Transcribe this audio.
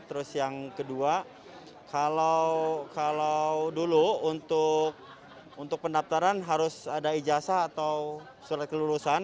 terus yang kedua kalau dulu untuk pendaftaran harus ada ijasa atau surat kelulusan